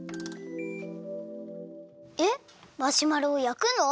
えっマシュマロをやくの？